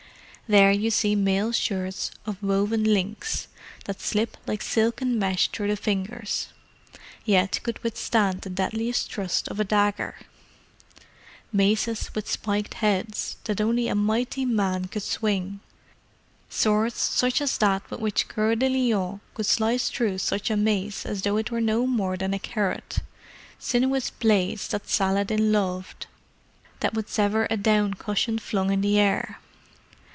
There you see mail shirts of woven links that slip like silken mesh through the fingers, yet could withstand the deadliest thrust of a dagger; maces with spiked heads, that only a mighty man could swing; swords such as that with which Coeur de Lion could slice through such a mace as though it were no more than a carrot—sinuous blades that Saladin loved, that would sever a down cushion flung in the air.